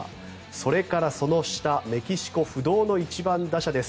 それからその下メキシコ不動の１番打者です。